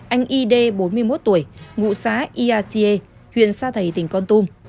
anh y đê bốn mươi một tuổi ngụ xá ia xie huyện sa thầy tỉnh con tum